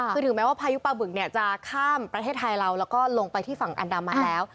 คือถึงแม้ว่าพายุปลาบึกเนี่ยจะข้ามประเทศไทยเราแล้วก็ลงไปที่ฝั่งอันดามาแล้ว